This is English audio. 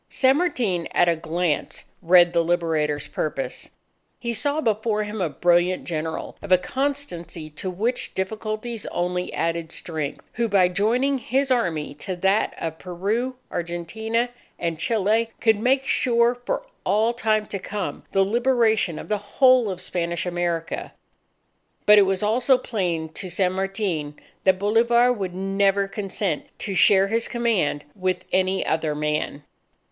San Martin, at a glance, read the Liberator's purpose. He saw before him a brilliant General "of a constancy to which difficulties only added strength," who by joining his Army to that of Peru, Argentina, and Chile, could make sure for all time to come, the liberation of the whole of Spanish America. But it was also plain to San Martin that Bolivar would never consent to share his command with any other man.